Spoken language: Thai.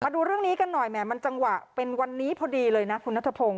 ดูเรื่องนี้กันหน่อยแหมมันจังหวะเป็นวันนี้พอดีเลยนะคุณนัทพงศ